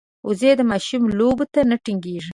وزې د ماشوم لوبو ته نه تنګېږي